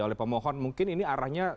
oleh pemohon mungkin ini arahnya